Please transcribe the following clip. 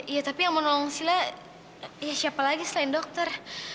ya tapi yang mau nolong sila ya siapa lagi selain dokter